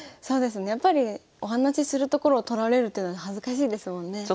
そうですねやっぱりお話しするところを撮られるっていうのは恥ずかしいですもんね。